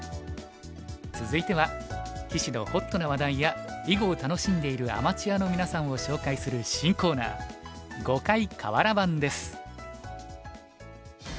続いては棋士のホットな話題や囲碁を楽しんでいるアマチュアのみなさんを紹介する新コーナー「碁界かわら盤」です。